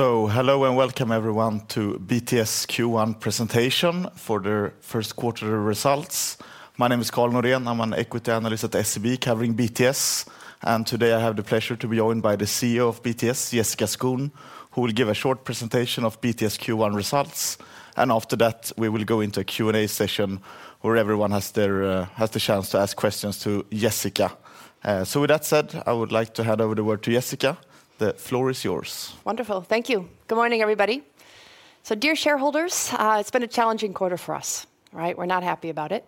Hello and welcome everyone to BTS Q1 presentation for their first quarter results. My name is Karl Norén. I'm an equity analyst at SEB covering BTS, today I have the pleasure to be joined by the CEO of BTS, Jessica Skon, who will give a short presentation of BTS Q1 results. After that, we will go into a Q&A session where everyone has the chance to ask questions to Jessica. With that said, I would like to hand over the word to Jessica. The floor is yours. Wonderful. Thank you. Good morning, everybody. Dear shareholders, it's been a challenging quarter for us, right? We're not happy about it,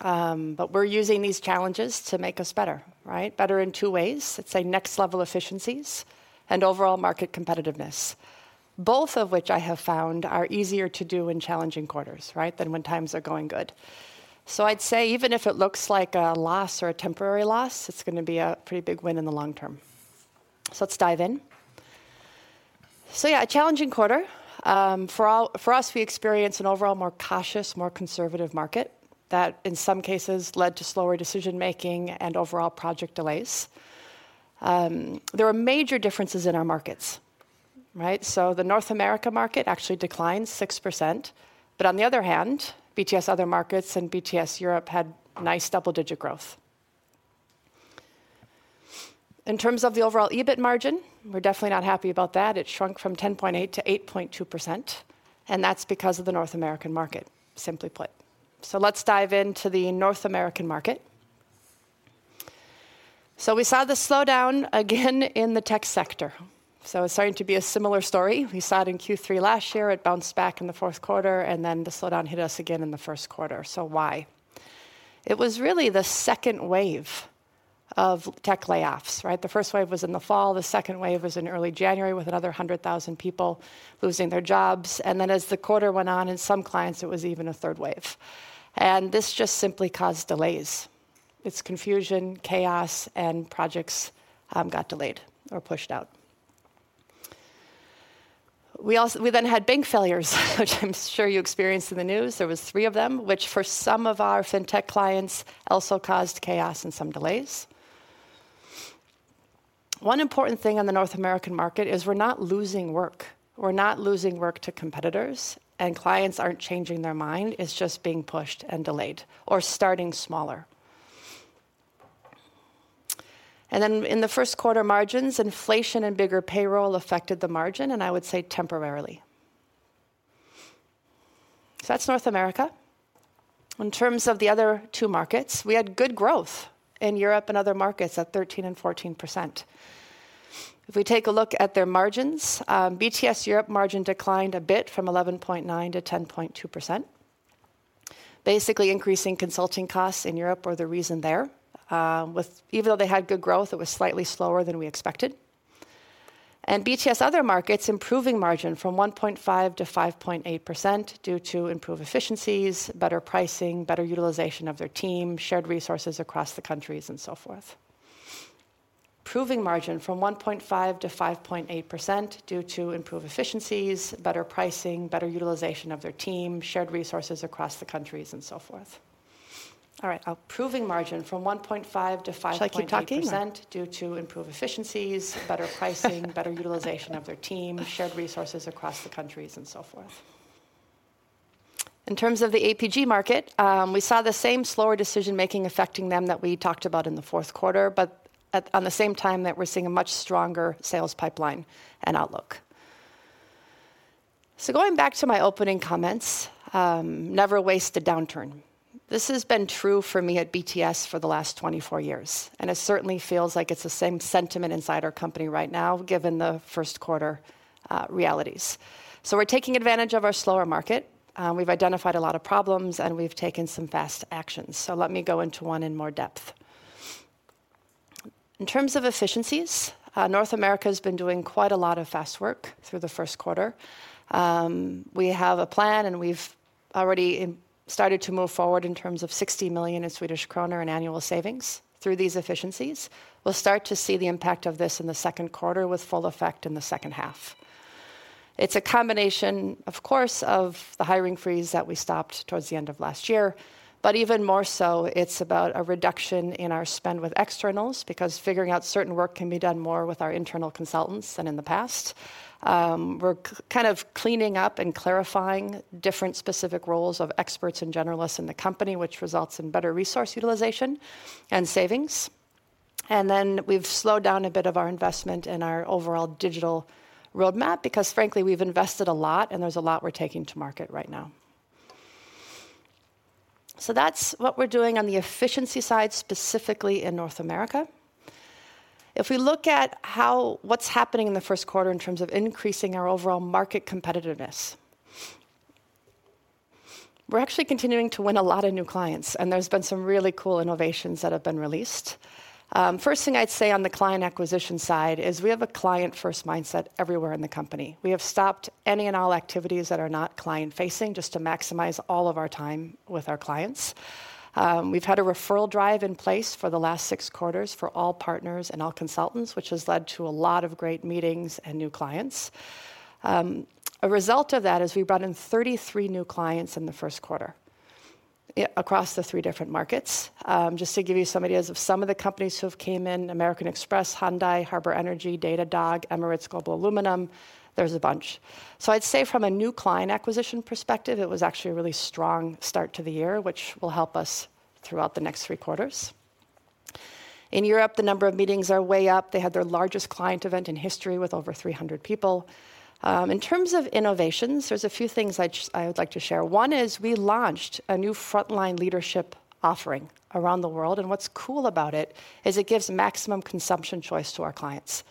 but we're using these challenges to make us better, right? Better in two ways. Let's say next level efficiencies and overall market competitiveness, both of which I have found are easier to do in challenging quarters, right, than when times are going good. I'd say even if it looks like a loss or a temporary loss, it's gonna be a pretty big win in the long term. Let's dive in. Yeah, a challenging quarter, for us, we experience an overall more cautious, more conservative market that in some cases led to slower decision-making and overall project delays. There are major differences in our markets, right? The North America market actually declined 6%, but on the other hand, BTS other markets and BTS Europe had nice double-digit growth. In terms of the overall EBIT margin, we're definitely not happy about that. It shrunk from 10.8% to 8.2%, and that's because of the North American market, simply put. Let's dive into the North American market. We saw the slowdown again in the tech sector, so it's starting to be a similar story. We saw it in Q3 last year. It bounced back in the fourth quarter, and then the slowdown hit us again in the first quarter. Why? It was really the second wave of tech layoffs, right? The first wave was in the fall. The second wave was in early January with another 100,000 people losing their jobs, and then as the quarter went on, in some clients it was even a third wave. This just simply caused delays. It's confusion, chaos, and projects got delayed or pushed out. We then had bank failures, which I'm sure you experienced in the news. There was three of them, which for some of our fintech clients also caused chaos and some delays. One important thing on the North American market is we're not losing work. We're not losing work to competitors, and clients aren't changing their mind. It's just being pushed and delayed or starting smaller. In the first quarter margins, inflation and bigger payroll affected the margin, and I would say temporarily. That's North America. In terms of the other two markets, we had good growth in Europe and other markets at 13% and 14%. If we take a look at their margins, BTS Europe margin declined a bit from 11.9% to 10.2%. Basically, increasing consulting costs in Europe are the reason there. Even though they had good growth, it was slightly slower than we expected. BTS other markets improving margin from 1.5% to 5.8% due to improved efficiencies, better pricing, better utilization of their team, shared resources across the countries and so forth. Improving margin from 1.5% to 5.8% due to improved efficiencies, better pricing, better utilization of their team, shared resources across the countries and so forth. All right. Improving margin from 1.5% to 5.8% due to improved efficiencies, better pricing, better utilization of their team, shared resources across the countries and so forth. In terms of the APG market, we saw the same slower decision-making affecting them that we talked about in the fourth quarter. On the same time that we're seeing a much stronger sales pipeline and outlook. Going back to my opening comments, never waste a downturn. This has been true for me at BTS for the last 24 years, and it certainly feels like it's the same sentiment inside our company right now, given the first quarter realities. We're taking advantage of our slower market. We've identified a lot of problems, and we've taken some fast actions. Let me go into one in more depth. In terms of efficiencies, North America's been doing quite a lot of fast work through the first quarter. We have a plan, and we've already started to move forward in terms of 60 million in Swedish krona in annual savings through these efficiencies. We'll start to see the impact of this in the second quarter with full effect in the second half. It's a combination, of course, of the hiring freeze that we stopped towards the end of last year. Even more so, it's about a reduction in our spend with externals because figuring out certain work can be done more with our internal consultants than in the past. We're kind of cleaning up and clarifying different specific roles of experts and generalists in the company, which results in better resource utilization and savings. We've slowed down a bit of our investment in our overall digital roadmap because frankly, we've invested a lot and there's a lot we're taking to market right now. That's what we're doing on the efficiency side, specifically in North America. If we look at what's happening in the first quarter in terms of increasing our overall market competitiveness, we're actually continuing to win a lot of new clients, and there's been some really cool innovations that have been released. First thing I'd say on the client acquisition side is we have a client-first mindset everywhere in the company. We have stopped any and all activities that are not client-facing just to maximize all of our time with our clients. We've had a referral drive in place for the last 6 quarters for all partners and all consultants, which has led to a lot of great meetings and new clients. A result of that is we brought in 33 new clients in the first quarter. Across the three different markets, just to give you some ideas of some of the companies who have came in, American Express, Hyundai, Harbour Energy, Datadog, Emirates Global Aluminium, there's a bunch. I'd say from a new client acquisition perspective, it was actually a really strong start to the year, which will help us throughout the next three quarters. In Europe, the number of meetings are way up. They had their largest client event in history with over 300 people. In terms of innovations, there's a few things I would like to share. One is we launched a new frontline leadership offering around the world, and what's cool about it is it gives maximum consumption choice to our clients.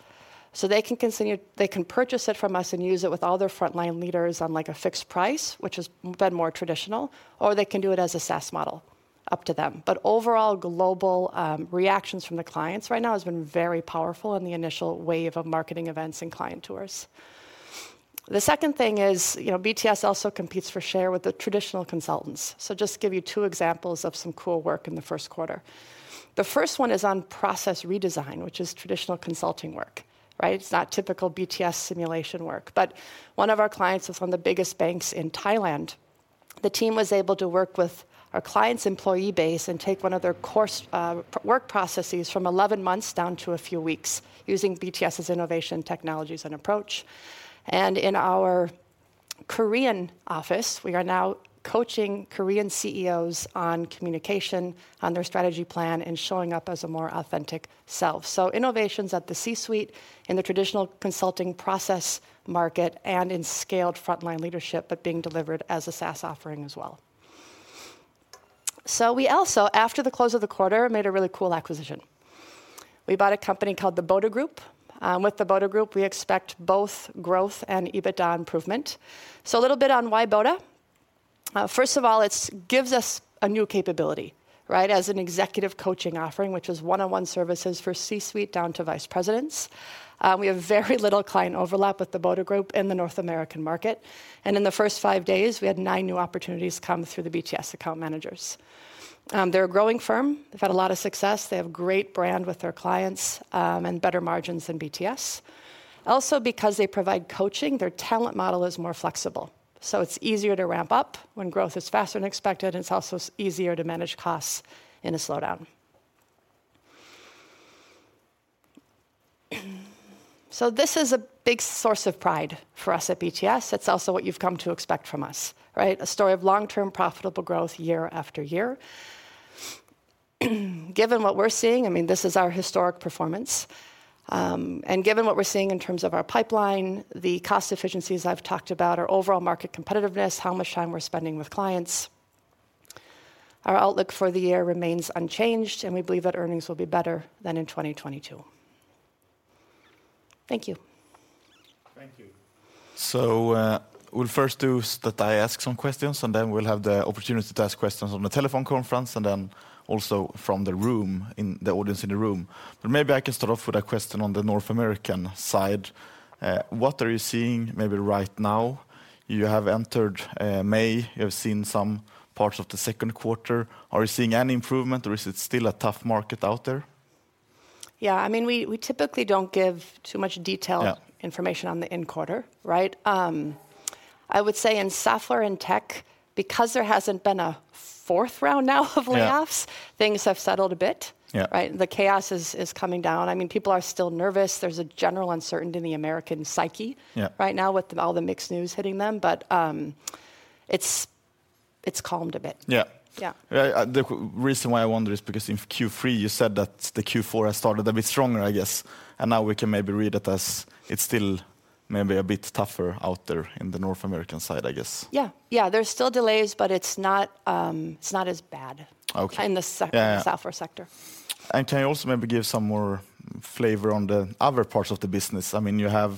They can purchase it from us and use it with all their frontline leaders on, like, a fixed price, which has been more traditional, or they can do it as a SaaS model, up to them. Overall global reactions from the clients right now has been very powerful in the initial wave of marketing events and client tours. The second thing is, you know, BTS also competes for share with the traditional consultants. Just give you two examples of some cool work in the first quarter. The first one is on process redesign, which is traditional consulting work, right? It's not typical BTS simulation work. One of our clients is one of the biggest banks in Thailand. The team was able to work with our client's employee base and take one of their course work processes from 11 months down to a few weeks using BTS's innovation technologies and approach. In our Korean office, we are now coaching Korean CEOs on communication, on their strategy plan, and showing up as a more authentic self. Innovations at the C-suite in the traditional consulting process market and in scaled frontline leadership, but being delivered as a SaaS offering as well. We also, after the close of the quarter, made a really cool acquisition. We bought a company called The Boda Group. With The Boda Group, we expect both growth and EBITDA improvement. A little bit on why Boda. First of all, it's gives us a new capability, right, as an executive coaching offering, which is one-on-one services for C-suite down to vice presidents. We have very little client overlap with The Boda Group in the North American market. In the first five days, we had nine new opportunities come through the BTS account managers. They're a growing firm. They've had a lot of success. They have great brand with their clients, and better margins than BTS. Also, because they provide coaching, their talent model is more flexible, so it's easier to ramp up when growth is faster than expected, and it's also easier to manage costs in a slowdown. This is a big source of pride for us at BTS. It's also what you've come to expect from us, right? A story of long-term profitable growth year-after-year. Given what we're seeing, I mean, this is our historic performance. Given what we're seeing in terms of our pipeline, the cost efficiencies I've talked about, our overall market competitiveness, how much time we're spending with clients, our outlook for the year remains unchanged. We believe that earnings will be better than in 2022. Thank you. Thank you. We'll first do is that I ask some questions, and then we'll have the opportunity to ask questions on the telephone conference, and then also from the room, in the audience in the room. Maybe I can start off with a question on the North American side. What are you seeing maybe right now? You have entered, May. You have seen some parts of the second quarter. Are you seeing any improvement or is it still a tough market out there? Yeah, I mean, we typically don't give too much- Yeah. ....information on the in quarter, right? I would say in software and tech, because there hasn't been a fourth round now of layoffs- Yeah. ....things have settled a bit. Yeah. Right? The chaos is coming down. I mean, people are still nervous. There's a general uncertainty in the American psyche- Yeah. .....right now with the, all the mixed news hitting them. It's, it's calmed a bit. Yeah. Yeah. Yeah. The reason why I wonder is because in Q3 you said that the Q4 has started a bit stronger, I guess. Now we can maybe read it as it's still maybe a bit tougher out there in the North American side, I guess. Yeah. Yeah. There's still delays, but it's not as bad- Okay. -in the sec- Yeah. ...software sector. Can you also maybe give some more flavor on the other parts of the business? I mean, you have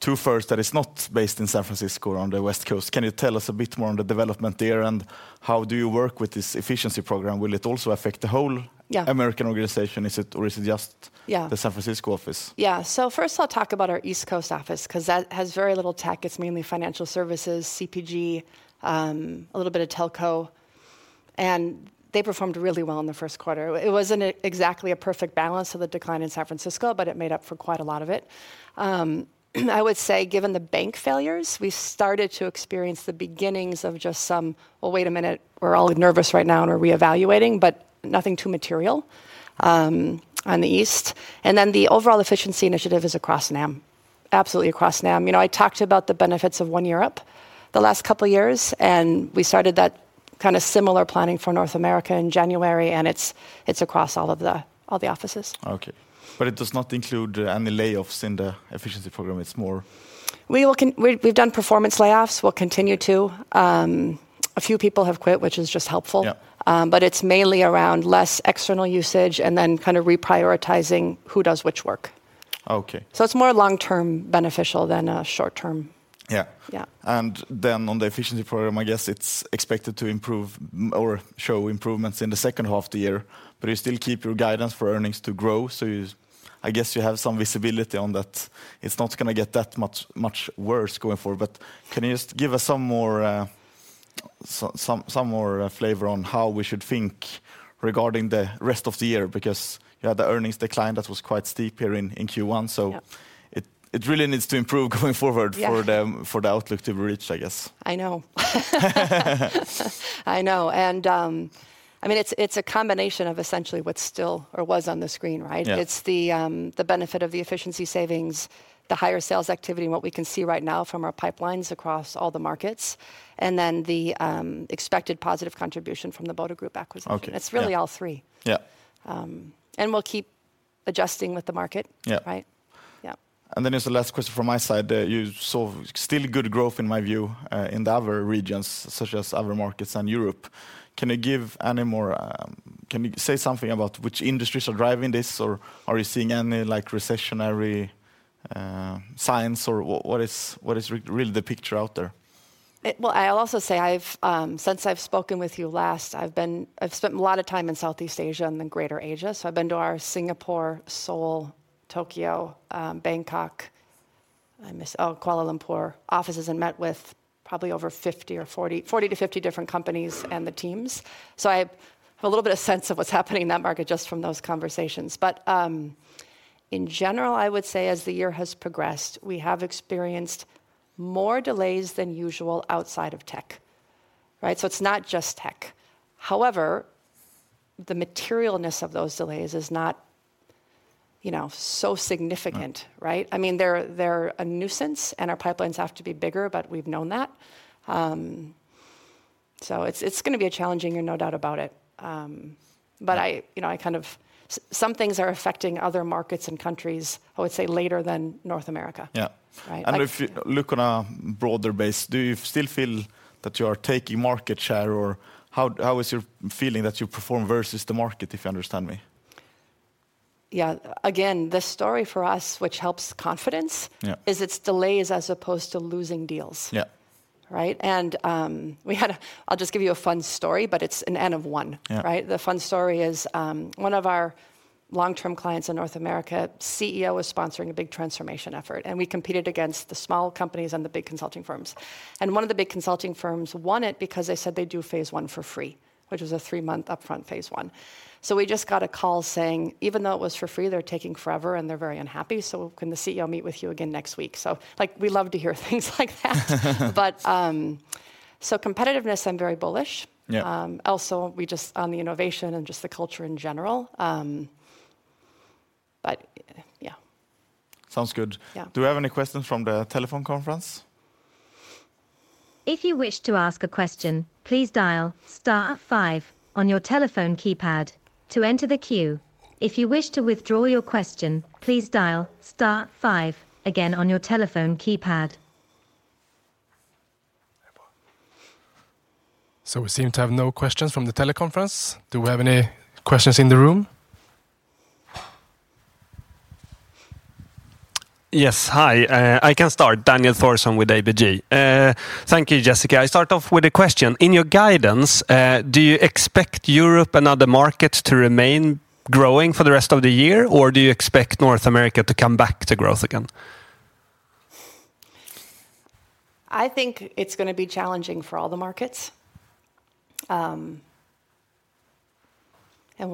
two-thirds that is not based in San Francisco or on the West Coast. Can you tell us a bit more on the development there, and how do you work with this efficiency program? Will it also affect the whole- Yeah. American organization? Is it-- or is it just- Yeah. ...the San Francisco office? Yeah. First I'll talk about our East Coast office, 'cause that has very little tech. It's mainly financial services, CPG, a little bit of telco, and they performed really well in the first quarter. It wasn't exactly a perfect balance of the decline in San Francisco, but it made up for quite a lot of it. I would say given the bank failures, we started to experience the beginnings of just some, "Well, wait a minute, we're all nervous right now and we're reevaluating," but nothing too material on the East. The overall efficiency initiative is across NAM. Absolutely across NAM. You know, I talked about the benefits of one Europe the last couple years, we started that kinda similar planning for North America in January, and it's across all the offices. Okay. It does not include any layoffs in the efficiency program. It's more... We've done performance layoffs. We'll continue to. A few people have quit, which is just helpful. Yeah. It's mainly around less external usage and then kinda reprioritizing who does which work. Okay. It's more long-term beneficial than short-term. Yeah. Yeah. On the efficiency program, I guess it's expected to improve or show improvements in the second half of the year. You still keep your guidance for earnings to grow. You I guess you have some visibility on that. It's not gonna get that much, much worse going forward. Can you just give us some more, some more flavor on how we should think regarding the rest of the year, because you had the earnings decline that was quite steep here in Q1. Yep It really needs to improve going forward- Yeah ...for the outlook to reach, I guess. I know. I know. I mean, it's a combination of essentially what's still or was on the screen, right? Yeah. It's the benefit of the efficiency savings, the higher sales activity, and what we can see right now from our pipelines across all the markets, and then the expected positive contribution from The Boda Group acquisition. Okay. Yeah. It's really all three. Yeah. And we'll keep adjusting with the market- Yeah ...right? Yeah. Then there's the last question from my side. You saw still good growth in my view, in the other regions, such as other markets and Europe. Can you give any more, can you say something about which industries are driving this, or are you seeing any, like, recessionary, signs, or what is really the picture out there? Well, I'll also say I've, since I've spoken with you last, I've spent a lot of time in Southeast Asia and then Greater Asia. I've been to our Singapore, Seoul, Tokyo, Bangkok, Kuala Lumpur offices and met with probably over 50 or 40-50 different companies and the teams. I have a little bit of sense of what's happening in that market just from those conversations. In general, I would say as the year has progressed, we have experienced more delays than usual outside of tech, right? It's not just tech. However, the materialness of those delays is not, you know, so significant. Right. Right? I mean, they're a nuisance and our pipelines have to be bigger, but we've known that. It's, it's gonna be a challenging year, no doubt about it. Yeah You know, some things are affecting other markets and countries, I would say, later than North America. Yeah. Right? Like. If you look on a broader base, do you still feel that you are taking market share, or how is your feeling that you perform versus the market, if you understand me? Yeah. Again, the story for us, which helps confidence- Yeah... is it's delays as opposed to losing deals. Yeah. Right? I'll just give you a fun story, but it's an n of one. Yeah. Right? The fun story is, one of our long-term clients in North America, CEO was sponsoring a big transformation effort, and we competed against the small companies and the big consulting firms. One of the big consulting firms won it because they said they'd do phase one for free, which was a three month upfront phase one. We just got a call saying, even though it was for free, they're taking forever and they're very unhappy, so can the CEO meet with you again next week? Like, we love to hear things like that. Competitiveness, I'm very bullish. Yeah. Also on the innovation and just the culture in general. Yeah. Sounds good. Yeah. Do we have any questions from the telephone conference? If you wish to ask a question, please dial star five on your telephone keypad to enter the queue. If you wish to withdraw your question, please dial star five again on your telephone keypad. We seem to have no questions from the teleconference. Do we have any questions in the room? Yes. Hi. I can start. Daniel Thorsson with ABG. Thank you, Jessica. I start off with a question. In your guidance, do you expect Europe and other markets to remain growing for the rest of the year, or do you expect North America to come back to growth again? I think it's gonna be challenging for all the markets. We'll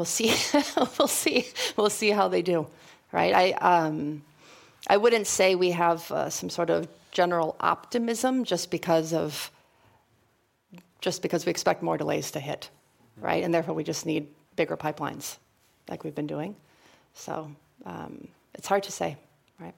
see how they do, right? I wouldn't say we have some sort of general optimism just because of, just because we expect more delays to hit, right? Therefore, we just need bigger pipelines like we've been doing. It's hard to say, right?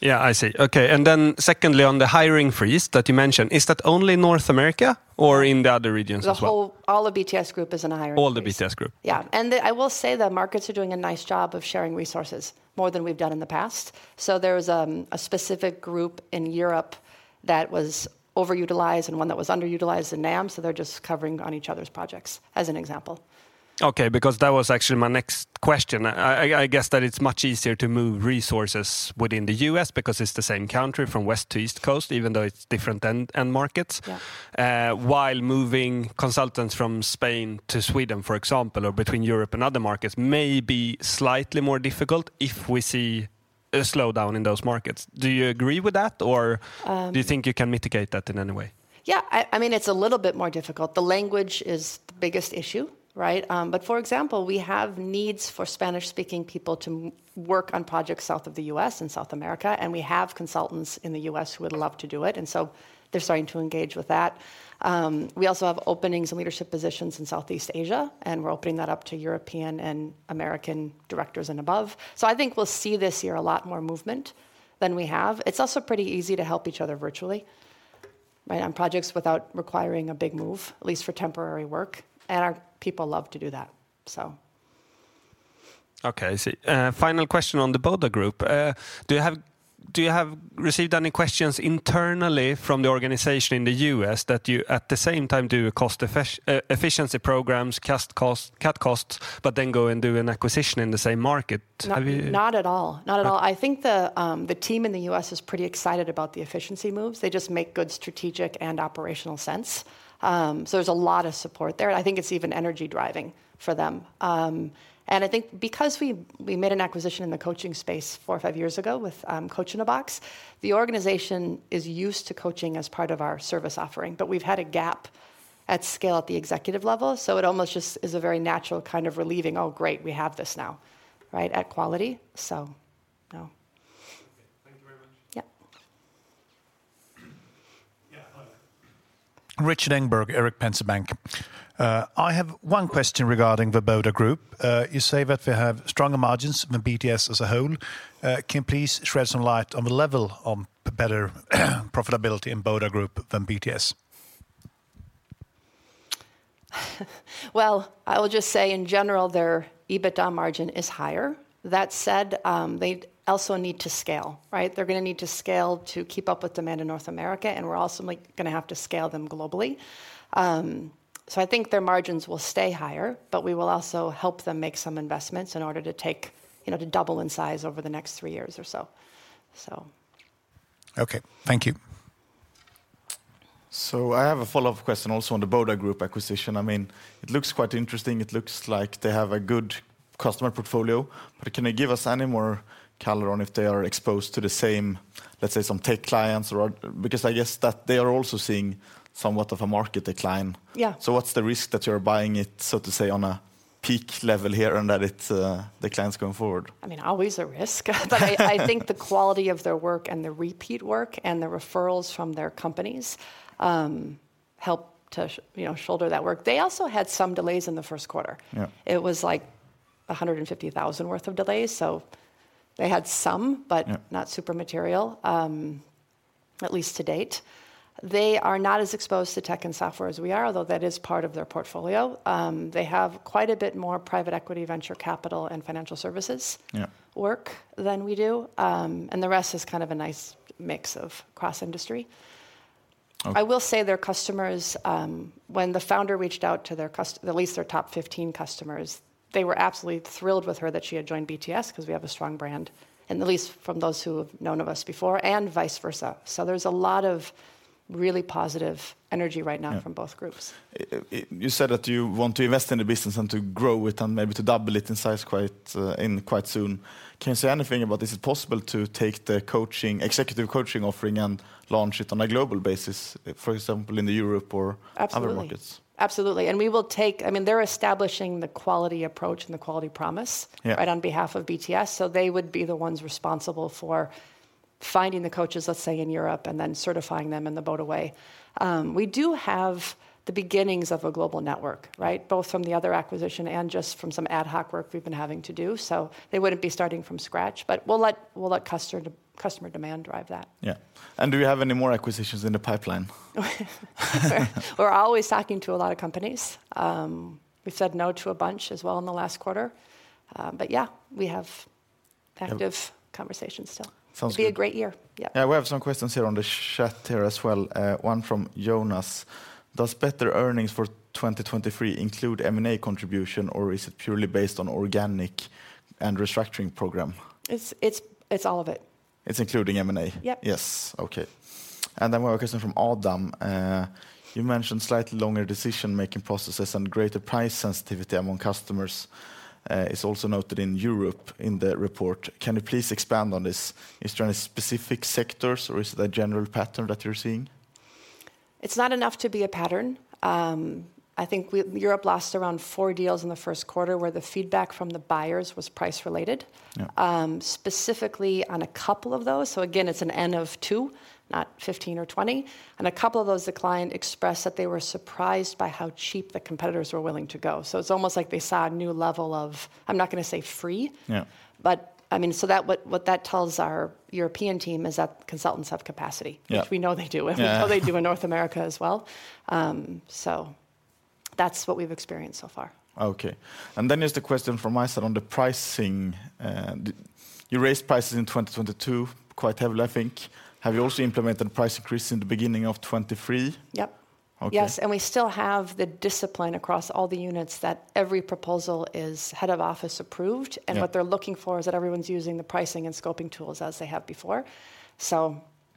Yeah, I see. Okay. Secondly, on the hiring freeze that you mentioned, is that only in North America or in the other regions as well? All of BTS Group is in a hiring freeze. All of BTS Group? Yeah. I will say the markets are doing a nice job of sharing resources more than we've done in the past. There's a specific group in Europe that was overutilized and one that was underutilized in NAM, so they're just covering on each other's projects, as an example. Okay, because that was actually my next question. I guess that it's much easier to move resources within the U.S. because it's the same country from west to east coast, even though it's different end markets. Yeah. While moving consultants from Spain to Sweden, for example, or between Europe and other markets may be slightly more difficult if we see a slowdown in those markets. Do you agree with that, or-? Um- Do you think you can mitigate that in any way? Yeah. I mean, it's a little bit more difficult. The language is the biggest issue, right? For example, we have needs for Spanish-speaking people to work on projects south of the U.S. and South America. We have consultants in the U.S. who would love to do it. They're starting to engage with that. We also have openings in leadership positions in Southeast Asia. We're opening that up to European and American directors and above. I think we'll see this year a lot more movement than we have. It's also pretty easy to help each other virtually, right, on projects without requiring a big move, at least for temporary work. Our people love to do that. Okay, I see. Final question on The Boda Group. Do you have received any questions internally from the organization in the U.S. that you at the same time do efficiency programs, cut costs, but then go and do an acquisition in the same market? Have you? Not at all. Not at all. Okay. I think the team in the U.S. is pretty excited about the efficiency moves. They just make good strategic and operational sense. There's a lot of support there. I think it's even energy driving for them. I think because we made an acquisition in the coaching space four or five years ago with Coach in a Box, the organization is used to coaching as part of our service offering. We've had a gap at scale at the executive level, it almost just is a very natural kind of relieving, oh, great, we have this now, right, at quality. No. Okay. Thank you very much. Yep. Yeah. Hello. Rikard Engberg, Erik Penser Bank. I have one question regarding The Boda Group. You say that they have stronger margins than BTS as a whole. Can you please shed some light on the level of the better profitability in The Boda Group than BTS? Well, I will just say in general, their EBITDA margin is higher. That said, they also need to scale, right? They're gonna need to scale to keep up with demand in North America, and we're also like gonna have to scale them globally. I think their margins will stay higher, but we will also help them make some investments in order to take, you know, to double in size over the next three years or so. Okay. Thank you. I have a follow-up question also on The Boda Group acquisition. I mean, it looks quite interesting. It looks like they have a good customer portfolio. Can you give us any more color on if they are exposed to the same, let's say, some tech clients or... I guess that they are also seeing somewhat of a market decline. Yeah. What's the risk that you're buying it, so to say, on a peak level here and that it declines going forward? I mean, always a risk. I think the quality of their work, and the repeat work, and the referrals from their companies, help to you know, shoulder that work. They also had some delays in the first quarter. Yeah. It was, like, $150,000 worth of delays, so they had some- Yeah Not super material, at least to date. They are not as exposed to tech and software as we are, although that is part of their portfolio. They have quite a bit more private equity, venture capital, and financial services- Yeah ..work than we do. The rest is kind of a nice mix of cross-industry. Okay. I will say their customers, When the founder reached out to at least their top 15 customers, they were absolutely thrilled with her that she had joined BTS 'cause we have a strong brand, and at least from those who have known of us before and vice versa. There's a lot of really positive energy right now- Yeah ....from both groups. You said that you want to invest in the business and to grow it and maybe to double it in size quite in quite soon. Can you say anything about is it possible to take the coaching, executive coaching offering and launch it on a global basis, for example, in the Europe or other markets? Absolutely. Absolutely. I mean, they're establishing the quality approach and the quality promise- Yeah... right on behalf of BTS, so they would be the ones responsible for finding the coaches, let's say, in Europe and then certifying them in the Boda way. We do have the beginnings of a global network, right? Both from the other acquisition and just from some ad hoc work we've been having to do, so they wouldn't be starting from scratch. We'll let customer demand drive that. Yeah. Do you have any more acquisitions in the pipeline? We're always talking to a lot of companies. We've said no to a bunch as well in the last quarter. Yeah, we have active conversations still. Sounds good. It'll be a great year. Yeah. Yeah. We have some questions here on the chat here as well, one from Jonas. Does better earnings for 2023 include M&A contribution, or is it purely based on organic and restructuring program? It's all of it. It's including M&A? Yep. Yes. Okay. One question from Adam. You mentioned slightly longer decision-making processes and greater price sensitivity among customers, is also noted in Europe in the report. Can you please expand on this? Is there any specific sectors, or is it a general pattern that you're seeing? It's not enough to be a pattern. I think Europe lost around 4 deals in the first quarter where the feedback from the buyers was price related. Yeah. Specifically on a couple of those, again, it's an N of two, not 15 or 20. On a couple of those, the client expressed that they were surprised by how cheap the competitors were willing to go. It's almost like they saw a new level of, I'm not gonna say Yeah I mean, that what that tells our European team is that consultants have- Yeah... which we know they do. Yeah. We know they do in North America as well. That's what we've experienced so far. Okay. There's the question from Isac on the pricing. You raised prices in 2022 quite heavily, I think. Have you also implemented price increase in the beginning of 2023? Yep. Okay. Yes, we still have the discipline across all the units that every proposal is head of office approved. Yeah. What they're looking for is that everyone's using the pricing and scoping tools as they have before.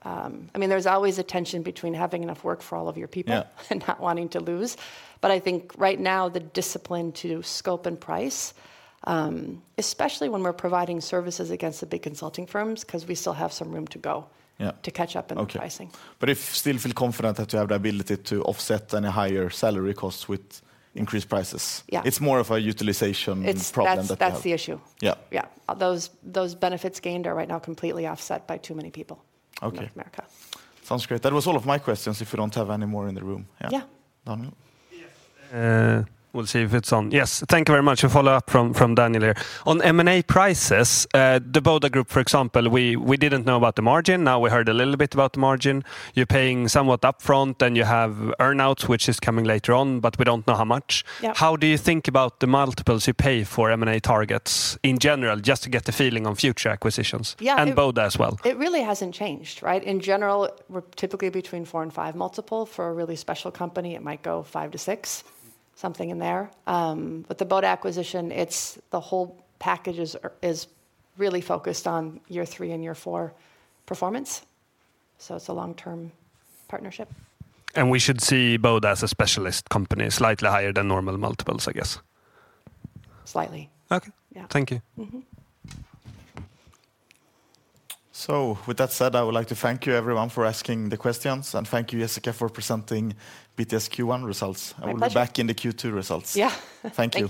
I mean, there's always a tension between having enough work for all of your people. Yeah and not wanting to lose. I think right now the discipline to scope and price, especially when we're providing services against the big consulting firms, 'cause we still have some room to go- Yeah ...to catch up in the pricing. Okay. If you still feel confident that you have the ability to offset any higher salary costs with increased prices- Yeah... it's more of a utilization problem that you have. It's, that's the issue. Yeah. Yeah. Those benefits gained are right now completely offset by too many people- Okay... in North America. Sounds great. That was all of my questions if you don't have any more in the room. Yeah. Yeah. Daniel? Yes. We'll see if it's on. Yes. Thank you very much. A follow-up from Daniel here. On M&A prices, The Boda Group, for example, we didn't know about the margin. Now we heard a little bit about the margin. You're paying somewhat upfront, and you have earn-out, which is coming later on, but we don't know how much. Yeah. How do you think about the multiples you pay for M&A targets in general, just to get the feeling on future acquisitions?- Yeah.... and Boda as well... it really hasn't changed, right? In general, we're typically between four and five multiple. For a really special company, it might go five to six, something in there. The Boda acquisition, it's the whole package is really focused on year three and year four performance, so it's a long-term partnership. We should see Boda as a specialist company, slightly higher than normal multiples, I guess. Slightly. Okay. Yeah. Thank you. Mm-hmm. With that said, I would like to thank you everyone for asking the questions, and thank you, Jessica, for presenting BTS Q1 results. My pleasure. We'll be back in the Q2 results. Yeah. Thank you.